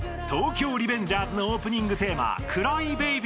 「東京リベンジャーズ」のオープニングテーマ「ＣｒｙＢａｂｙ」。